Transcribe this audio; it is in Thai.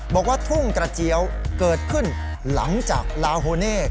บอกว่าทุ่งกระเจี๊ยวเกิดขึ้นหลังจากลาโฮเน่